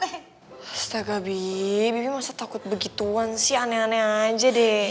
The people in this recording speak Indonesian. astaga bibi bibi masa takut begituan sih aneh aneh aja deh